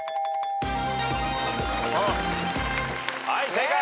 正解。